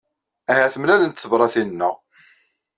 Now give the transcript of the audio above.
Ahat mlalent tebṛatin-nneɣ.